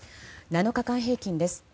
７日間平均です。